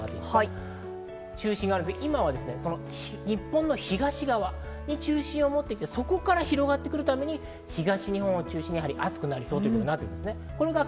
今は日本の東側に中心があって、そこから広がってくるために東日本を中心に暑くなりそうということなんです。